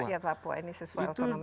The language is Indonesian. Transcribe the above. ini sesuai otonomi khususnya